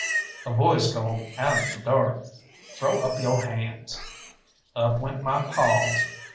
'" A voice called out of the dark, "Throw up yo' hands!" Up went my paws.